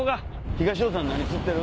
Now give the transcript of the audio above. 東野さん何釣ってる？